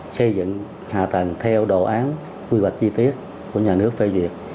xây dựng hạ tầng theo đồ án quy hoạch chi tiết của nhà nước phê duyệt